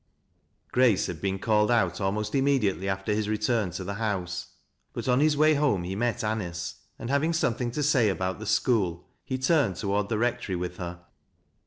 Grace had been called out almost immediately after his return to the house ; but on his way home he met Anice, and having something to say about the school, he turned toward the rectory with her.